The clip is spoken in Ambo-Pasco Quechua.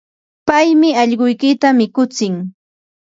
Paymi allquykita mikutsin.